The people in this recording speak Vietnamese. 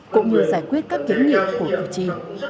cũng như giải quyết các kiến nghị của cử tri